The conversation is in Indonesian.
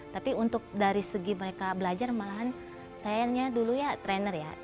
tapi untuk dari segi mereka belajar malahan sayangnya dulu ya trainer ya